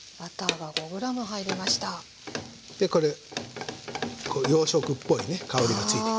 でこれこう洋食っぽいね香りが付いてくる。